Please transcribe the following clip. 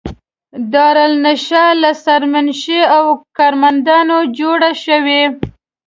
دارالانشأ له سرمنشي او کارمندانو جوړه شوې.